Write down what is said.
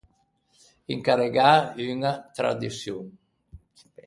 Incarregâ unna traduçion.